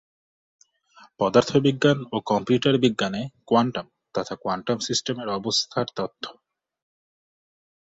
পদার্থবিজ্ঞান এবং কম্পিউটার বিজ্ঞানে কোয়ান্টাম তথ্য কোয়ান্টাম সিস্টেমের অবস্থার তথ্য।